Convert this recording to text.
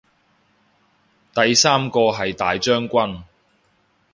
第三個係大將軍